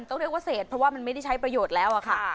ต้องเรียกว่าเศษเพราะว่ามันไม่ได้ใช้ประโยชน์แล้วอะค่ะ